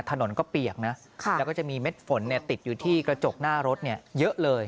ถนนก็เปียกนะแล้วก็จะมีเม็ดฝนติดอยู่ที่กระจกหน้ารถเยอะเลย